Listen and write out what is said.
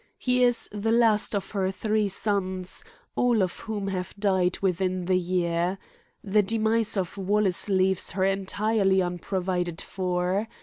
He is the last of her three sons, all of whom have died within the year. The demise of Wallace leaves her entirely unprovided for.